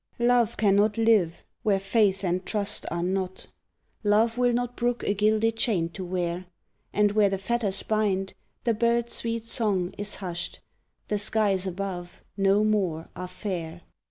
Love cannot live where faith and trust are not, Love will not brook a gilded chain to wear; And where the fetters bind, the bird's sweet song Is hushed the skies above, no more, are fair!